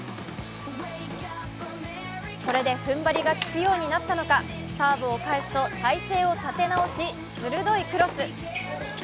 これで踏ん張りがきくようになったのかサーブを返すと態勢を立て直し、鋭いクロス。